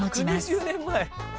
１２０年前！？